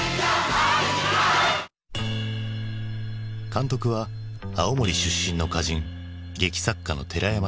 監督は青森出身の歌人劇作家の寺山修司。